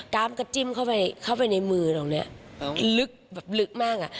กราฟก็จิ้มเข้าไปในมือตรงนี้ลึกแบบลึกมาก